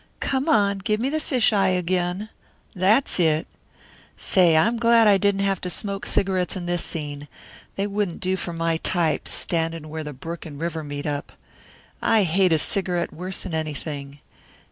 Come on, give me the fish eye again. That's it. Say, I'm glad I didn't have to smoke cigarettes in this scene. They wouldn't do for my type, standin' where the brook and river meet up. I hate a cigarette worse'n anything.